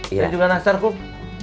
saya juga nastar kum